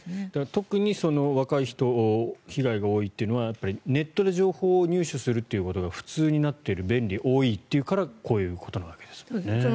特に若い人被害が多いというのはネットで情報を入手することが普通になっている、便利多いということですからこういうことなわけですね。